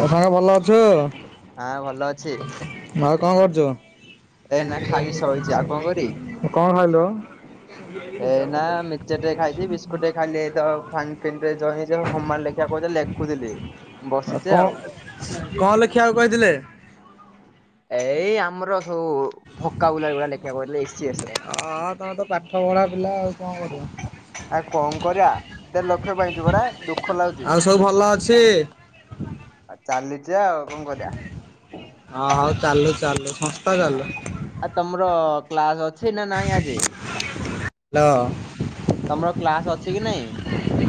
ଆଉ ସାଙ୍ଗ ଭଲ ଅଛୁ? ହଁ ଭଲ ଅଛି ଆଉ କଣ କରୁଛୁ? ଏଇନା ଖାଇକି ଶୋଇଛି ଆଉ କରିବି କଣ ହାଲୋ। ଏଇନା ମିକଚର ଟିକେ ଖାଇଛି, ବିସ୍କୁଟ ଟିକେ ଖାଇଲି ଏଇ ତ ଫନ ପିନ ରେ ନିଜ ନିଜ ହୋମ ୱାର୍କ ଲେଖିବା ଗୋଟେ ଲେଖୁଥିଲି। ଆଉ କଣ କଣ ଲେଖିବାକୁ କହିଥିଲେ? ଏଇ ଆମର ଭୋକାବୁଲାରି ଗୁଡା ଲେଖିବାକୁ କହିଥିଲେ ଏସ ସି ଏସ ର। ହେଲା ଆଉ କଣ କରିବା? ଆ କଣ କରିବା, ଦେଢ ଲକ୍ଷ ପାଇଛ ପରା ଦୁଃଖ ଲାଗୁଛି। ଆଉ ସବୁ ଭଲ ଅଛି ଆଉ ଚାଲିଛି ଆଉ କଣ କରିବା? ହଁ ହଉ ଚାଲୁ ଚାଲୁ ସଂସ୍ଥା ଚାଲୁ। ଆଉ ତମର କ୍ଲାସ ଅଛି ନା ନାଇଁ ଆଜି, ହ୍ୟାଲୋ ତମର କ୍ଲାସ ଅଛି କି ନାଇଁ?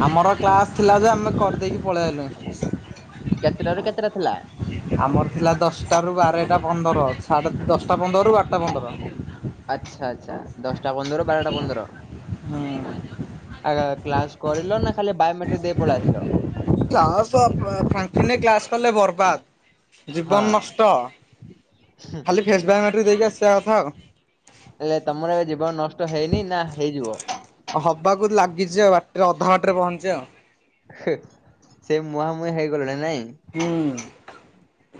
ଆମର କ୍ଲାସ ଥିଲା ଯେ, ଆମେ କରିଦେଇକି ପଳେଇ ଆଇଲୁ। କେତେଟାରୁ କେତେଟା ଥିଲା? ଆମର ଥିଲା ଦଶଟାରୁ ବାରଟା ପନ୍ଦର ଅଛି। ସାଢ଼େ ଦଶଟା ପନ୍ଦରରୁ ବାରଟା ପନ୍ଦର। ଟା ପନ୍ଦର ରୁ ବାରଟା ପନ୍ଦର? ହୁଁ ଆ କ୍ଲାସ କରିଲ ନା, ଖାଲି ବୟୋମେଟ୍ରିକ ଦେଇ ପଳେଇଆସିଲ? [unintelligible] କ୍ଲାସ କଲେ ବର୍ବାଦ ଜୀବନ ହଁ ନଷ୍ଟ। ଖାଲି ଫେସ ବାୟୋମେଟ୍ରିକ ଦେଇକି ଆସିବା କଥା ଆଉ। ହେଲେ ତମର ଏବେ ଜୀବନ ନଷ୍ଟ ହେଇନି ନା ହେଇଯିବ? ହବାକୁ ଲାଗିଛି, ଆଉ ବାଟରେ ଅଧା ବାଟରେ ରେ ପହଞ୍ଚି ଆଉ। ସେ ମୁହାଁମୁହିଁ ହେଇ ଗଲେଣି ନାଇଁ? ହୁଁ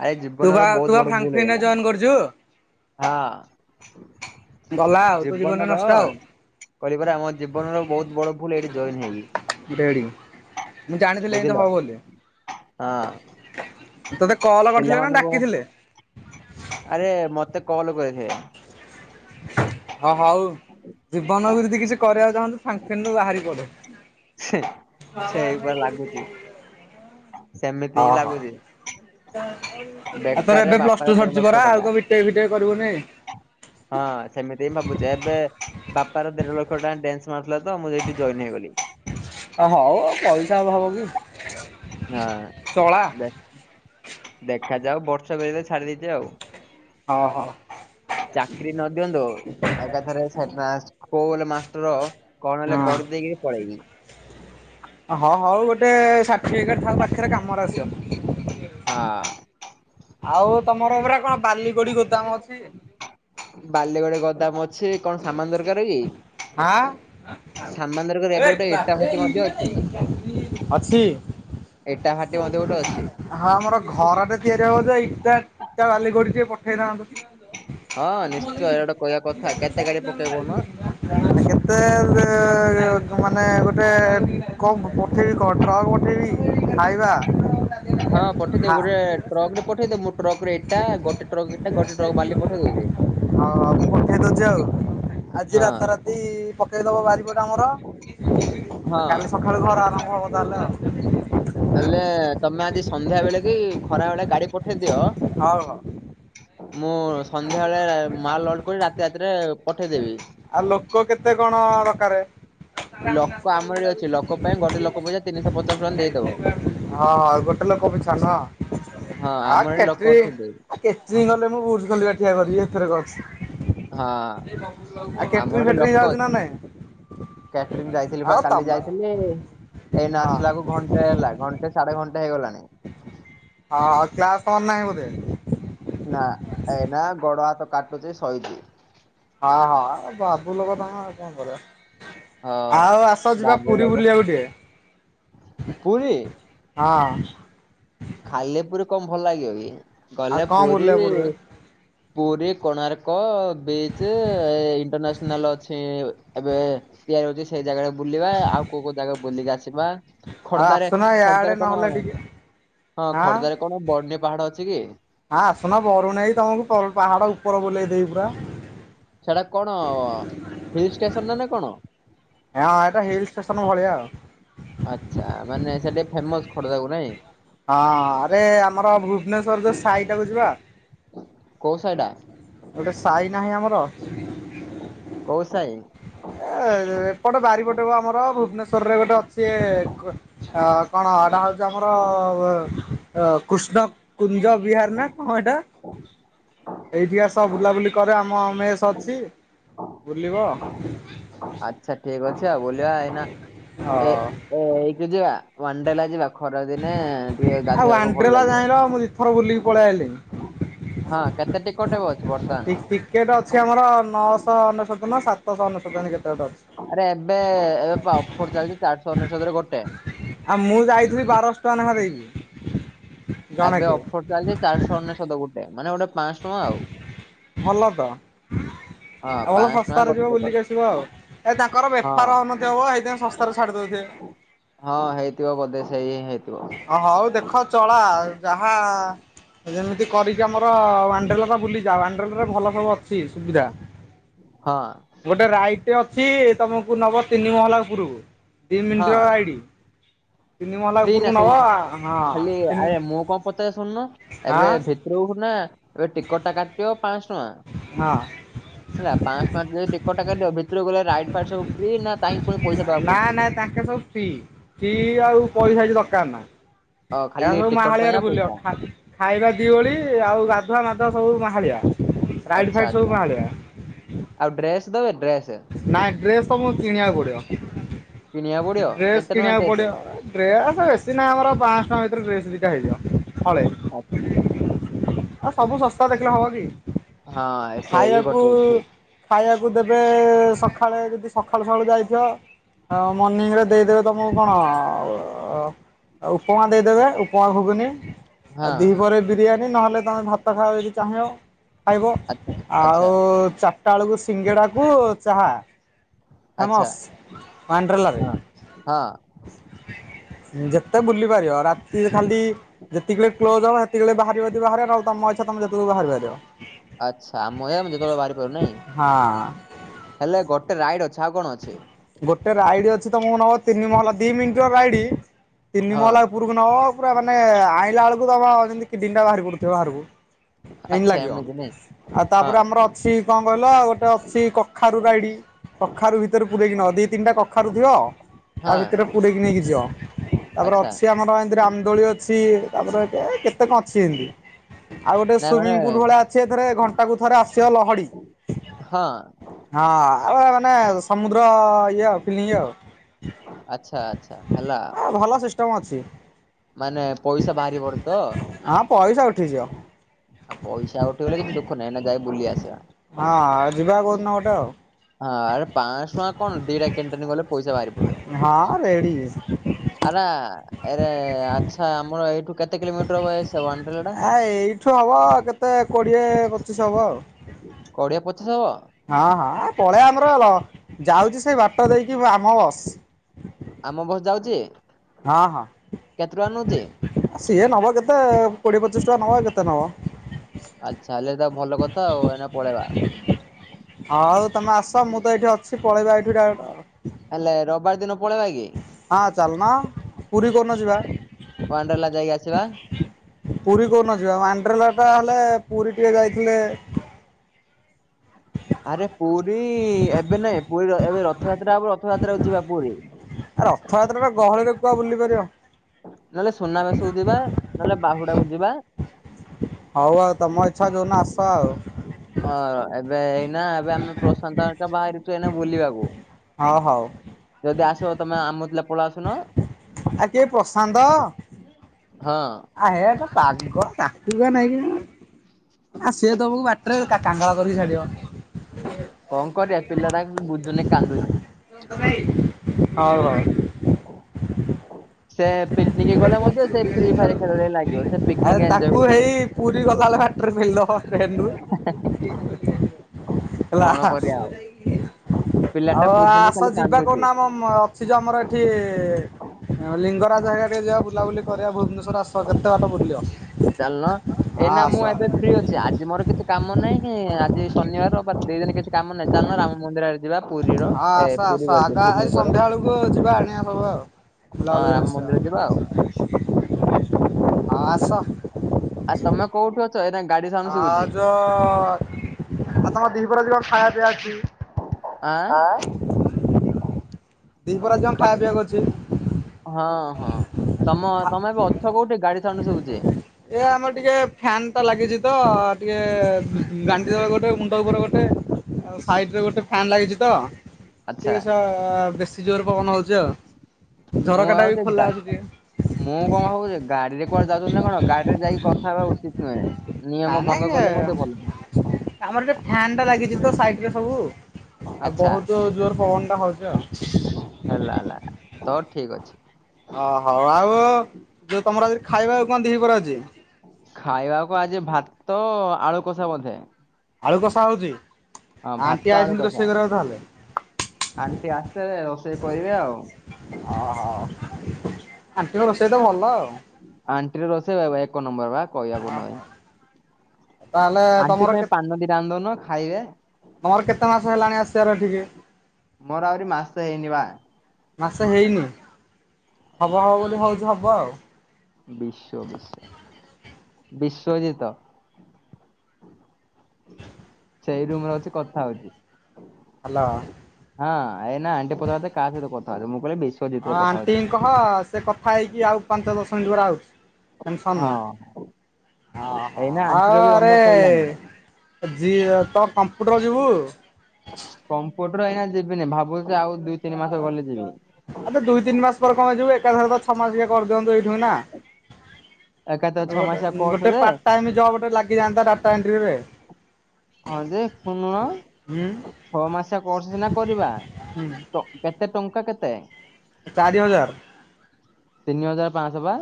ଆରେ ଜୀବନର ବା ବହୁତ ତୁ ବା ବଡ ଭୁଲ ଫ୍ରାଙ୍କ ଫି ରେ ହେଇଗଲା। ଜଏନ କରିଛୁ? ହଁ। ଭଲ। ଜୀବନର କହିବାର ଆମ ଜୀବନର ବହୁତ ବଡ ଭୁଲ ଏଇଠି ଜଏନ ହେଇକି। ରେଡି। ବୁଝିଲ, ହଁ। ତୋତେ କଲ୍ କରିଥିଲେ ନା ପିଲାମାନଙ୍କୁ ଡାକିଥିଲେ? ଆରେ ମତ କଲ କରିଥିଲେ। ହଁ ହଉ ଯନ୍ତୁ ଫ୍ରାଙ୍କ ଫେନ ରୁ ବାହାରି ପଡିବି। ସେଇପା ଲାଗୁଛି ସେମିତି ହଁ ହିଁ ହଁ ଲାଗୁଛି। ଆଉ ତୋର ବେକାରରେ ଏବେ ପ୍ଲସ ବାପାର ଟୁ ଦେଢ ସରିଛି ଲକ୍ଷ ପରା, ଆଉ ଟଙ୍କା। କଣ ବି ଟେକ ଫି ଟେକ ହଁ ସେମିତି ହଁ ଭାବୁଛି ଏବେ ବାପାର ଦେଢ ଲକ୍ଷ ଟଙ୍କା ଡେନ୍ସ ତ ମୁଁ ଯାଇଁ ଜଏନ ହେଇଗଲି। ହଉ ପଇସା ଅଭାବ କି? ହଁ ଚଳା ଦେ-ଦେଖାଯାଉ ବର୍ଷ କରେ ଛାଡି ଦେଇଛି ଆଉ। ହଁ ହୋ। [unintelligible] ଚାକିରି ନ ଦିଅନ୍ତୁ, ଏକାଥରେ ସେ [unintelligible] ସ୍କୁଲ୍ ମାଷ୍ଟର କଣ ହେଲେ ହଁ। କରିଦେଇକି ପଳେଇବି। ହଁ ହଉ ଗୋଟେ ସର୍ଟିଫିକେଟ ଥାଉ ପାଖରେ କାମରେ ଆସିବ। ହଁ। ଆଉ ତମର ପୁରା କଣ ବାଲି ଗୋଡି ଗୋଦାମ ଅଛି? ବାଲି, ଗୋଡି ଗୋଦାମ ଅଛି କଣ ସାମାନ ଦରକାର କି? ହାଁ? ସାମାନ ଦରକାର ଏବେ ଗୋଟେ ଇଟା ଭାଟି ମଧ୍ୟ ଅଛି [unintelligible] ଅଛି? ଇଟା ଭାଟି ମଧ୍ୟ ଗୋଟେ ଅଛି। ହଁ ଆମର ଘର ଟେ ତିଆରି ହବ ଯାଇ। ଇଟା-ଇଟା, ବାଲି, ଗୋଡି ଟିକେ ପଠେଇ ଥାନ୍ତ। ହଁ ନିଶ୍ଚୟ ଏଇ ଗୋଟେ କହିବା କଥା କେତେ ଗାଡି ପ କେତେ [inaudible] ମାନେ ଗୋଟେ କଣ ପଠେଇବି କହ ଟ୍ରକ୍ ପଠେଇବି, ଖାଇବା ହଁ ପଠେଇ ଦିଅ ଖା ଗୋଟେ ଟ୍ରକରେ ପଠେଇ ଦିଅ, ମୋ ଟ୍ରକ୍ ରେ ଇଟା, ଗୋଟେ ଟ୍ରକ ରେ ଇଟା ଗୋଟେ ଟ୍ରକ୍ ରେ ବାଲି ପଠେଇ ଦଉଚି। ହୁଁ। ହଁ ଆଉ ମୁଁ ପଠେଇ ଦଉଛ ଆଉ। ଆଜି ହଁ ରାତା ରାତି ପକେଇଦବ ବାରି ପଟେ ଆମର, ହଁ କାଲି ସକାଳୁ ଘର ଆରମ୍ଭ। ହବ ତାହେଲେ ଆଉ। ହେଲେ ତମେ ଆଜି ସନ୍ଧ୍ୟା ବେଳେ କି ଖରା ବେଳେ ଗାଡି ପଠେଇ ଦିଅ, ହଉ ହଉ ମୁଁ ସନ୍ଧ୍ୟାବେଳେ ମାଲ୍ ଲୋଡ୍ କରି ରାତି ରାତିରେ ପଠେଇଦେବି। ହଁ ଦକାରେ। [unintelligible] ଲୋକ ଆମର ଏଠି ଅଛି ଲୋକ ପାଇଁ ଗୋଟେ ଲୋକ ପିଛା ତିନିଶହ ପଚାଶ ଟଙ୍କା ଦେଇଦବ। ହଁ ହଁ ଗୋ ହେଲେ କମିଥାନ୍ତା ହଁ ଆ ଆମର ଏଠି ଲୋକ କେଟ୍ରି ଅଛନ୍ତି। କେଟ୍ରିଂ କଲେ ମୁଁ ବୁଲ ବୁଲିବା ଠିଆ କରିବି ଇଥେରେ କଣ ଅଛି। ଆଉ ହାଁ ଆମ କେଟରିଂ ଆଡେ ଫେଟରିଂ ଲୋକ ଯାଉଛି ନା ଅଛି। ନାଇଁ କ୍ୟାଟ୍ରୀଙ୍ଗ ଯାଇଥିଲି ଆଉ ବା କାଲି ତମେ ଯାଇଥିଲି। ଏଇ ନା ହଁ। ଆସିଲା କୁ ଘଣ୍ଟେ ହେଲା ଘଣ୍ଟେ ସାଢେ ଘଣ୍ଟେ ହେଇ ଗଲାଣି। ହଁ ଆଉ କ୍ଲାସ ତମର ନାହିଁ ବୋଧେ। ନା ଏଇନା ଗୋଡ ହାତ କାଟୁଛି ଶଇଚି। ହଁ ହଁ ବାବୁ ଲୋକ ତମେ ଆଉ କଣ କରିବ। ହଁ ଆଉ ଆସ ଯିବା ବାବୁ ପୁରୀ ଲୋକ ବୁଲିଆକୁ ଟିକେ। ପୁରୀ ହଁ। ଖାଲି ପୁରୀ କଣ ଭଲ ଲାଗିବ କି ଆଉ ଗଲେ କଣ ପୁରି। ବୁଲିବା ପୁରୀରେ? Puri, Konark, beach, international ଅଛି। ଏବେ ତିଆରି ହଉଛି ସେଇ ଜାଗାରେ ବୁଲିବା ଆଉ କୋଉ କୋଉ ଜାଗା ବୁଲିକି ଆସି। ଆଉ ଆସୁନ ୟାଡେ କଣ ନହେଲେ ଟିକେ। ହଁ ଖୋର୍ଦ୍ଧାରେ କଣ ହାଁ ବରୁଣେଇ ପାହାଡ ଅଛି କି ହଁ ଆସୁନ ବରୁଣେଇ ତମକୁ ପ ପାହାଡ ଉ ଉପର ବୁଲେଇ ଦେବି ପୁରା। ସେଟା କଣ ହିଲ ଷ୍ଟେସନ ନା ନା କଣ? ହଁ ଏଇଟା ହିଲ୍ ଷ୍ଟେସନ ଭଳିଆ ଆଉ ଆଛା ମାନେ ସେଠୀ ଫେମସ। ଖୋର୍ଦ୍ଧା କୁ ନାଇଁ। ହଁ ଆରେ ଆମର ଭୁବନେଶ୍ଵର ଯୋଉ ସାହି ଟାକୁ ଯିବା। କୋଉ ସାହିଟା ଗୋଟେ ସାଇ ନାହିଁ ଆମର। ହ ହ ଏ ଏପଟ ବାରିପଟେ ବା ଆମର ଭୁବନେଶ୍ୱର ରେ ଗୋଟେ ଅଛି ଏ -କ କଣ ହେଟା। ସେ ଯୋଉ ଆମର। ଅ କୃଷ୍ଣ କୁଞ୍ଜ ବିହାର ନା କଣ ହେଟା। ଏଇଠି ଆସ ବୁଲାବୁଲି କର ଆମ ମେଷ ଅଛି ବୁଲିବ। ଆଚ୍ଛା ଠିକ ଅଛି ଆଉ ବୁଲିବା ଏଇନା ହଁ ଏ ଏଇକି ଯିବା। ୱାନଡେଲା ଯିବା ଖରା ଦିନେ ଟିକେ ଗାଧେଇଆକୁ ଭଲ ଲାଗିବ। ଦି ଥର ବୁଲିକି ପଳେଇ ଆଇଲିଇଁ। ହଁ କେତେ ଟିକଟ ଏବେ ଅଛି ବର୍ତ୍ତମାନ ଟିକେଟ ଅଛି ଆମର ନଅଶ। ଶ ଅନେଶୋତ ନା ସାତଶ ଅନେଶୋତ ଏମତି କେତେ ଗୋଟା ଅଛି। ଆରେ ଏବେ ଏବେ ପା ଅଫର ଚାଲିଛି ଚାରିଶ ଅନେଶୋତ ରେ ଗୋଟେ। ବାରଶ ଟଙ୍କା ନେଖା ଦେଇକି। ଏବେ ଜଣକେ ଅଫର ଚାଲିଛି ଚାରିଶ ଅନେଶୋତ ଗୋଟେ ମାନେ ଗୋଟେ। ପାଆଁସ ଟଆଁ ଆଉ। ଭଲ ତ ହଁ ଆଉ ଭଲ ପାଞ୍ଚଶହ ଟଙ୍କା ଶସ୍ତାରେ ଗୋଟେ ଯିବ ଟିକେଟ ବୁଲିକି ଆସିବ ଆଉ। ଏ ତାଙ୍କର ହଁ ବେପାର ହଉନଥିବ ମ ହେଇପାଇଁ ଶସ୍ତାରେ ଛାଡି ଦଉଥିବେ। ହ ହଁ ହେଇଥିବ ବୋଧେ ସେଇ। ହେଇଥିବ ହଉ ଦେଖ ଚଳା ଯାହା। ଯେମିତି କରିକି ଆମର ୱାନଡ୍ରେଲାଟା ବୁଲିଯାଅ ୱାନଡ୍ରେଲା ରେ ଭଲ ଭଲ ଅଛି ସୁବିଧା। ହଁ। ସେଠି ଅଛି ତମକୁ ନବ ତିନି ମହଲା ଉପରୁକୁ ଯିଏ ପିନିଥିବ ଆଇଡି। ଫ୍ରୀ ନା ସବୁ ଖାଲି ଆରେ ମୁଁ କଣ ପଚାରେ ଶୁଣୁନ। ଏବେ ହଁ ଭିତରୁକୁ ନା ଏବେ ଟିକଟ ଟା କାଟିିବ ପାଆଁଶ ଟଙ୍କା। ହଁ। ହେଲା ପାଆଁଶ ଟଙ୍କା ଦେଇ ଟିକଟ ଟା କାଟିବ ଭିତରକୁ ଗଲେ ରାଇଡ ଫାଇଡ ସବୁ ଫ୍ରି ନା ତାଇଁକି ପୁଣି ପଇସା ଦବାକୁ ନା ପଡୁଛି। ନା ତାଙ୍କେ ସବୁ ଫ୍ରି ଆଉ ପଇସା କିଛି ଦକାର ନା। ଅ ଏରା ଖାଲି ସବୁ ଟିକଟ ପାଇଁ ମାହାଳିଆରେ ଆ ବୁଲିବ ପଇସା ଖା ଖାଇବା ଦି ଓଳି ଆଉ ଗାଧୁଆ ମାଧୁଆ। ସବୁ ମାହାଳିଆ ରାଇଟ ଆଚ୍ଛା ଫାଇଟ୍ ସବୁ ଆଚ୍ଛା ମାହାଳିଆ। ଆଉ ଡ୍ରେସ ଦେବେ ଡ୍ରେସ ନାଇଁ ଡ୍ରେସ ତମକୁ କିଣିବାକୁ ପଡିବ। ଦିନିଆ। ଡ୍ରେସ କିଣିବାକୁ ପଡିବ ଡ୍ରେସ ବେଶୀ ନାହିଁ ଆମର ପାଆଁସ ଟଙ୍କା ଭିତରେ ଡ୍ରେସ୍ ଦିଟା ହେଇଯିବ। ହଳେ ଆଉ ସବୁ ଶସ୍ତା ଦେଖିଲେ ହବ କି? ଖାଇବାକୁ ଖାଇବାକୁ ଦେବେ ସ ଖାଳେ ଯଦି ସଖାଳୁ ସଖାଳୁ ଯାଇଥିବ। ଆ ମନିଙ୍ଗ ରେ ଦେଇଦେବେ ତମକୁ କଣ ଅ ଆଉ ଉପମା ଦେଇଦେବେ ଉପମା ଘୁଗୁନି। ଆ ଦି ପରେ ବିରିୟାନୀ ନହେଲେ ତମେ ଭାତ ଖାଅ ଯଦି ଚାହିଁବ। ଖାଇବ ଆଉ ଚାରିଟା ବେଳକୁ ସିଙ୍ଗେଡାକୁ ଚାହା। ଆଚ୍ଛା ଫେମସ ଆଣ୍ଡ୍ରଲାରେ। ହଁ ହଁ ଯେତେ ବୁଲି ପାରିବ ରାତି ଖାଲି ଯେତିକ କ୍ଲୋଜ ହବ ହେ ତିକିବେଳେ ବାହାରିବ ଯଦି ବାହରିବ ନ ହେଲେ ତମ ଇଛା ତମେ ଯେତବେଳୁକୁ ବାହାରିପାରିବ। ଆଛା ଆମ ଇଏ ଆମେ ଯେତବେଳେ ବାହାରି ପାରୁନାଇଁ ହଁ। ହେଲେ ଗୋଟେ ରାଇଡ ଅଛି। ଆଉ କଣ ଅଛି ଗୋଟେ ରାଇଡି ଅଛି ତମକୁ ନବ ତିନି ମହଲା ଦି ମିଣ୍ଟିର ରାଇଡି ତିନି ହଁ ମହଲା ଓପୁରୁକୁ ନବ ପୁରା ମାନେ ଆଇଁଲା ବେଳକୁ ତମ ଯେମିତି କିଡିନି ଟା ବାହାରି ପଡୁଥିବ ବାହାରକୁ। ଏଇନି ଆଚ୍ଛା ଲାଗିବ ଏମିତି ନାଇଁ ଆଉ ହଁ ତାପରେ ଆମର ଅଛି କଣ କହିଲ ଗୋ ଟେ ଅଛି କଖାରୁ ରାଇଡି କଖାରୁ ଭିତରେ ପୁରେଇକି ନବ ଦି ତିନଟା କଖାରୁ ଥିବ। ତା ହଁ ଭିତରେ ପୁରେଇକି ନେଇକି ଯିବ ତାପରେ ଆଚ୍ଛା ଅଛି ଆମର ଏମିତି ରାମଦୋଳି ଅଛି। ଚି ତାପରେ କେ କେତେ କଣ ଅଛି ଏମତି ଆଉ ଗୋଟେ ନାଇଁ ମାନେ ସୁମିଙ୍ଗ ପୁଲ ଭଳିଆ ଅଛି ଏଥିରେ ଘ ଣ୍ଟାକୁ ଥରେ ଆସିବ ଲହଡି। ହଁ। ହଁ ଆଉ ମାନେ ସମୁଦ୍ର ଇଏ ଆଉ ଫିଲିଙ୍ଗ ଆଉ। ଆଚ୍ଛା ଆଛା ହେଲା। ତ ମଛି। ମାନେ ପଇସା ବାହାରି ପଡେ ତ? ହଁ [unintelligible] ଆଉ ପଇସା ଉଠିଗଲେ କିଛି ଦୁଃଖ ନାହିଁ ନା ଯାଇ ବୁଲି ଆସିବା। ହଁ ଯିବା କୋଉ ଦିନ ଗୋଟେ ଆଉ। ହଁ ଆରେ ପାଆଁଶ ଟଙ୍କା କଣ ଦିଟା କ୍ୟାଣ୍ଟିନି ଗଲେ ପଇସା ଭାରି ପଡିବ ହଁ ରେଡି ଆରା। ଏରେ ଆଚ୍ଛା ଆମର ଏଇଠୁ କେତେ କିଲୋମିଟର ବୟସ? ଆ ଏଇଠୁ ହବ କେତେ କୋଡିଏ ପଚିଶ ହବ ଆଉ। କୋଡିଏ ପଚି ହଁ ହଁ ପଳେଇ ଆମର ଲ ଯାଉଚି ସେଇ ବାଟ ଦେଇକି ଆମ ବସ। ଆମ ବହୁତ ହଁ ହଁ କେତେ ଟଙ୍କା ନଉଛି? ସିଏ ନବ କେ ତେ କୋଡିଏ ପଚିଶ ଟଙ୍କା ନବ। କେତେ ନବ? ଆଚ୍ଛା ହେଲେ ତ ଭଲ କଥା ଆଉ ଏଇନା ପଳେଇବା। ହଉ ତମେ ଆସ ମୁଁ ତ ଏଠି ଅଛି ପଳେଇବା ଏଇଠୁ ଡାଇରେକ୍ଟ ଆଉ। ବାର ଦିନ ପଳେଇବା କି? ହଁ ଚାଲୁନ ପୁରୀ କୋଉ ଦିନ ଯିବା? ୱାଣ୍ଡେଲା ଯାଇକି ଆସିବା। ପୁରୀ କୋଉ ଦିନ ଯିବା? ୱାଣ୍ଡ୍ରେଲା ଟା ହେଲେ ପୁରୀ ଟିକେ ଯାଇଥିଲେ ଆରେ ପୁରୀ ଏବେ ନାଇଁ ପୁରୀ ର ଏବେ ରଥଯାତ୍ରା ହବ ରଥଯାତ୍ରାକୁ ଯିବା ପୁରୀ। ଆ ରଥଯାତ୍ରା ଟା ଗହଳିରେ କୁଆ ବୁଲି ପାରିବ? ନହେଲେ ସୁନାବେସକୁ ଯିବା ନହେଲେ ବାହୁଡାକୁ ଯିବା। ହଉ ଆଉ ତମ ଇଛା ଯୋଉ ଦିନ ଆସ ଆଉ। ନା ଏବେ ଆମେ ପ୍ରଶାନ୍ତ ହେରିକା ବାହାରିଚୁ ଏଇନା ବୁଲିବାକୁ। ହଁ ହଉ ଯଦି ଆସିବ ତମେ ଆମଥିଲେ ପଳେଇ ଆସୁନ। ଆ କିଏ ପ୍ରଶାନ୍ତ? ହଁ। [unintelligible] ଆ ସିଏ ତମକୁ ବାଟରେ କାଙ୍ଗାଳ କରିକି ଛାଡି଼ବ। କଣ କରିବା ପିଲାଟା କିଛି ବୁଝୁନି କାନ୍ଦୁଚି। ହଉ ହଉ। ସେ ପିକନିକ୍ ଗଲେ ମଧ୍ୟ ସେ ଫ୍ରି ଫାୟାର ଖେଳରେ ଲାଗିବ। ସେ ଆରେ ପିକନିକ ଏଞ୍ଜୟ ତାକୁ ହେଇ କରିବନି ପୁରୀ ଗଲାବେଳେ ବାଟରେ ପେଳିଦବ ଟ୍ରେନ ରୁ କଣ କରିବା ଆଉ। ପିଲାଟା ଆଉ ବୁଝୁନି ଆସ ଖାଲି ଯିବା କାନ୍ଦୁଛି କହୁନ ଆମ ଅଛି ଯେ ଆମର ଏଠି ଆଉ ଲିଙ୍ଗରାଜ୍ ହେଇକା ଟିକେ ଯିବା ବୁଲାବୁଲି କରିବା ଭୁବନେଶ୍ବର ଆସ କେତେ ବାଟ ବୁଲିବ। ଚାଲୁନ ହଁ ଏଇନା ଆସ ମୁଁ ହଁ ଏବେ ଫ୍ରି ଅଛି ଆଜି ମୋର କିଛି କାମ ନାହିଁ। ହୁଁ ଆଜି ଶନିବାର ରବିବାର ଦି ଦିନି କିଛି କାମ ନାହିଁ ଚାଲୁନ ରାମ ମନ୍ଦିର ଆଡେ ଯିବା ପୁରୀର ଏ ଆସ ଆସ ପୁରୀ ଆଗ କହିଲି ଆଜି ଭୁବନେଶ୍ଵର ସନ୍ଧ୍ୟା ବେଳକୁ ଯିବା ଆଣିବା ସବୁ ଆଉ। ହଁ ବୁଲାବୁଲି କରି ରାମ ଆସିବା ମନ୍ଦିର ଯିବା ଆଉ। ହଁ ଆସ। ଆଉ ତମେ କୋଉଠୁ ଅ ଆ ଯ ଆଉ ତମ ଦ୍ବିପ୍ରହର ଆଜି କଣ ଖାଇବା ପିଇବା ହେଇଛି? ଆଁ ହଁ ହଁ ତମ ଖା ତମେ ଅ ଅଛ କୋଉଠି ଗାଡ଼ି ସାଉଣ୍ଡୁ ଶୁଭୁଚି? ଏ ଆମର ଟିକେ ଫ୍ୟାନ ଟା ଲାଗିଛି ତ ଟିକେ [unintelligible] ଗୋଟେ ମୁଣ୍ଡ ଉପରେ ଗୋଟେ ଆଉ ସାଇଡ଼୍ ରେ ଗୋଟେ ଫ୍ୟାନ୍ ଲାଗିଛି ତ। ଆଚ୍ଛା ଟିକେ [unintelligible] ବେଶୀ ଜୋର୍ ପବନ ହଉଛି ଆଉ। ମୁଁ ଝରକା ଟା ଆଉ ବି ଖୋଲା [unintelligible] ଅଛି ଟିକେ ମୁଁ କଣ ଭାବୁଛି ଗାଡ଼ି ରେ କୁଆଡ଼େ ଯାଉଛନ୍ତି ନା କଣ ଗାଡ଼ି ରି ଯାଇକି କ କଥା ହେବା ଉଚିତ୍ ନୁହେଁ। ନାଁ ନିୟମ ଭଙ୍ଗ ନାଇଁ କଲେ ମଧ୍ୟ ଭଲ ନୁହେଁ ଆମରେ ଫ୍ୟାନ ଟା ଲାଗିଛି ତ ସାଇଟ୍ ରେ ସବୁ। ଆ ଆଚ୍ଛା ବହୁତ୍ ଜୋ ଜୋର୍ ପବନ ଟା ହଉଛି ଆଉ‌। ହେଲା ହେଲା ତୋର ଠିକ୍ ଅଛି। ଓ ହଉ ଆଉ ଯୋଉ ତମର ଆଜି ଖାଇବା ଆଉ କଣ ଦି ପ୍ରହର ଆଜି? ଖାଇବାକୁ ଆଜି ଭାତ ଆଳୁ କଷା ବୋଧେ। ଆଳୁ କଷା ହଉଛି ହଁ ଭାତ ଆଣ୍ଟି ଆଳୁ ଆଇଥିଲେ କଷା ରୋଷେଇ କରିବାକୁ ତାହେଲେ। ଆଣ୍ଟି ଆସିଲେ ରୋଷେଇ କରିବେ ଆଉ। ଆଣ୍ଟି ଙ୍କ ରୋଷେଇ ତ ଭଲ ଆଉ। ଆଣ୍ଟି ରୋଷେଇ ଏକ ନମ୍ବର ବା କହିବାକୁ ନାହିଁ। ଓହୋ ତାହେଲେ ଆଣ୍ଟି ତମର କେ ପାଇଁ ପାନ ଦିଟା ଆଣି ଦଉନ ଖାଇବେ। ତମର କେତେ ମାସେ ହେଲାଣି ଆସିବାର ଏଠିକି? ମୋର ଆହୁରି ମାସେ ହେଇନି ବା ମାସେ ହେଇନି ହବ ହବ ବୋଲି ହଉଛି ହବ ଆଉ। ବିଶ୍ୱ [unintelligible] ବିଶ୍ୱଜିତ। ସେଇ ରୁମ୍ ରେ ଅଛି କଥା ହଉଛି। ହ୍ୟାଲୋ। ହଁ ଏଇନା ଆଣ୍ଟି ପଚାରୁଛନ୍ତି କାହା ସହିତ କଥା ହଉଚୁ। ଆଣ୍ଟି ଙ୍କି କହ ସେ କଥା ହେଇକି ଆଉ ପାଞ୍ଚ ଦଶ ମିନିଟ୍ ପରେ ଆଉଚି। ଟେନସନ୍ ହଁ ନାଁଇ ଅ ଏଇନା ହ ଆଣ୍ଟିର ଆଉ ବି ରନ୍ଧା ଆରେ ସଇଲାଣି [unintelligible] କମ୍ପ୍ୟୁଟର ଯିବୁ। କମ୍ପ୍ୟୁଟର ଆଜ୍ଞା ଯିବିନି ଭାବୁଛି ଆଉ ଦୁଇ ତିନି ମାସ ଗଲେ ଯିବି। ଆବେ ଦୁଇ ତିନି ମାସ ପରେ କଣ ପାଇଁ ଯିବୁ ଏକାଥର ତ ଛଅ ମାସିଆ କରିଦିଅନ୍ତୁ ଏଇଠୁ ଏଇନା। ଏକାଥରେ ଛଅ ଗୋଟେ ମାସିଆ କୋର୍ସ ଗୋଟେ ଯେ ପାର୍ଟ ଟାଇମ୍ ଜବ୍ ଟେ ଲାଗି ଯାଆନ୍ତା ଡାଟା ଏଣ୍ଟ୍ରି ରେ ହଁ ଯେ କୁନୁଅ। ହୁଁ ଛଅ ମାସଆ କୋର୍ସ ସିନା କରିବା ହୁଁ ଟ କେତେ ଟଙ୍କା କେତେ? ଚାରି ହଜାର। ତିନି ହଜାର ପାଞ୍ଚଶହ ପା।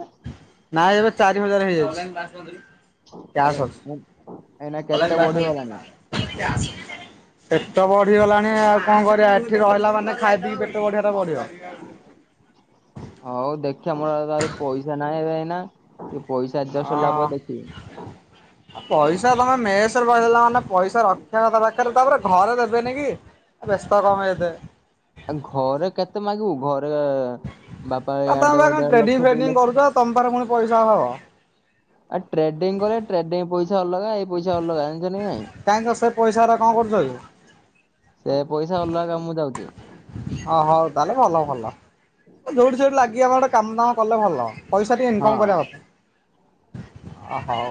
ନାଇଁ ଏବେ ଚାରି ହଜାର ହେଇଯାଇଚି। ଏ- ଏଇନା କେତେ ବଢିଗଲାଣି କ୍ୟାସେ ଅଛି। ପେଟ ବଢିଗଲାଣି ଆଉ କଣ କରିବା ଏଠି ରହିଲା ମାନେ ଖାଇ ପିଇି ପେଟ ବଢିବା ଟା ବଢିବ। ହଉ ଦେଖିବା ମୋ ପାଖରେ ପଇସା ନାହିଁ ଏଇନା। ପଇସା ଅ ଏଡଜଷ୍ଟ ହେଲା ପରେ ଦେଖିବି। ପଇସା ତମେ ମେସେରେ ରହିଲ ଦେଲ ମାନେ ପଇସା ରଖିବା କଥା [unintelligible] ଘରେ ଦେବେନିକି ବ୍ୟସ୍ତ କଣ ପାଇଁ ଏତେ ଘରେ କେତେ ମାଗିବ ଘରେ ରେ ବାପା ଆଉ ତମେ ବା ଆଠଧ କଣ ଦେଢ ଟ୍ରେଡିଂ ଲକ୍ଷ ଦୁଇ ଫ୍ରେଡିଂ କରୁଛ ଲକ୍ଷ ତମ ପାଖରେ ପୁଣି ପଇସା ହବ। [unintelligible] ପଇସା କଲେ ଟ୍ରେଂଡି ପଇସା ଅଲଗା। ଏ ପଇସା ଅଲଗା ଆଣିଛନ୍ତି କି କାହିଁକି ସେ ପଇସାରା କଣ ନାଇଁ? କରୁଛ କି ସେ ପଇସା ଅଲଗା କାମ କୁ ଯାଉଛି। ହଁ ହଉ ତାହେଲେ ଭଲ ଭଲ [unintelligible] କାମ ଦାମ କଲେ ଭଲ ପଇସା ଟିକେ ଇନକମ୍ ହଁ। କରିବା କଥା।